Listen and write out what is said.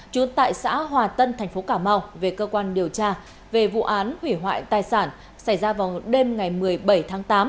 trú tại xã hòa tân thành phố cà mau về cơ quan điều tra về vụ án hủy hoại tài sản xảy ra vào đêm ngày một mươi bảy tháng tám